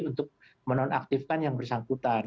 untuk menonaktifkan yang bersangkutan